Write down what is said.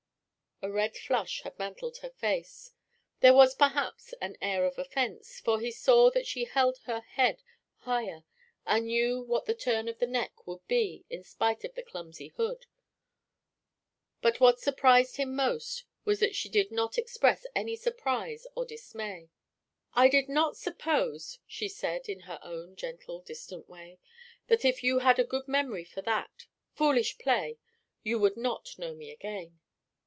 A red flush had mantled her face. There was perhaps an air of offence, for he saw that she held her head higher, and knew what the turn of the neck would be in spite of the clumsy hood; but what surprised him most was that she did not express any surprise or dismay. "I did not suppose," she said, in her own gentle, distant way, "that if you had a good memory for that foolish play, you would not know me again."